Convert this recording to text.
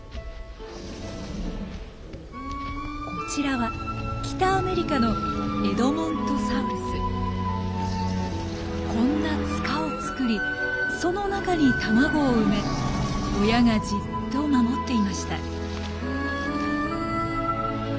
こちらは北アメリカのこんな塚を作りその中に卵を埋め親がじっと守っていました。